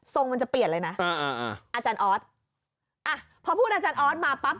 มันจะเปลี่ยนเลยนะอ่าอาจารย์ออสอ่ะพอพูดอาจารย์ออสมาปั๊บ